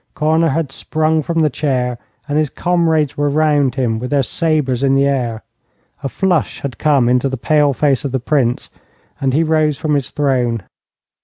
Korner had sprung from the chair, and his comrades were round him with their sabres in the air. A flush had come into the pale face of the Prince, and he rose from his throne.